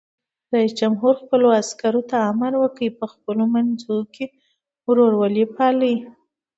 رئیس جمهور خپلو عسکرو ته امر وکړ؛ په خپلو منځو کې ورورولي پالئ!